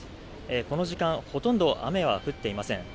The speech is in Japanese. この時間、ほとんど雨は降っていません。